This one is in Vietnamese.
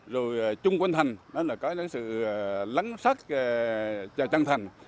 rồi trung quanh thành có sự lắng sát trăng thành